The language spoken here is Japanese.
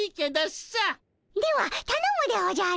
ではたのむでおじゃる。